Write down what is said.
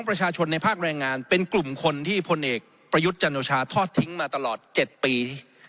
ประชาชนในภาคแรงงานเป็นกลุ่มคนที่พลเอกประยุทธ์จันโอชาทอดทิ้งมาตลอด๗ปี